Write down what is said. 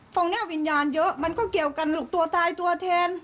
วิญญาณเยอะมันก็เกี่ยวกันตัวตายตัวแทน